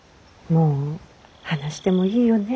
もう話してもいいよね。